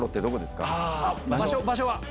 場所は？